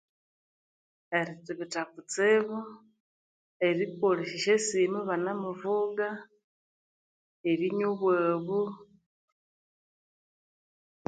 Erithibitha kutsibu erikolesya esyasimu iba nemuvuga erinywa obwabu